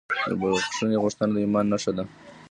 د بښنې غوښتنه د ایمان نښه ده.